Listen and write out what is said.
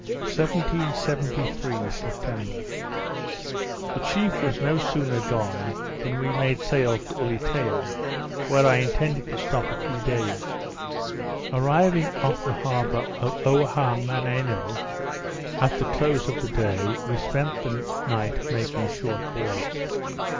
_ 1773 September The chief was no sooner gone, than we made sail for Ulietea (where I intended to stop a few days). Arriving off the harbour of Ohamaneno at the close of the day, we spent the night making short boards.